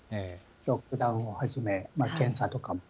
ロックダウンをはじめ、検査とかも。